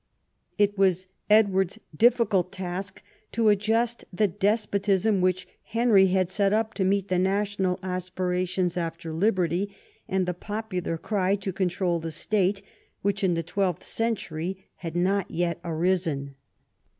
It was Edward's difficult task to adjust the despotism which Henry had set up to meet the national aspirations after liberty, and the popular cry to control the state which in the twelfth century had not yet arisen.